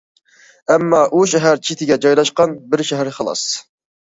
ئەمما ئۇ شەھەر چېتىگە جايلاشقان بىر« شەھەر» خالاس.